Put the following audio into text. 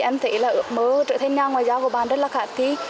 em thấy là ước mơ trở thành nhà ngoại giao của bạn rất là khả thi